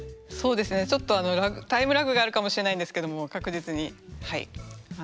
ちょっとタイムラグがあるかもしれないんですけども確実にはい。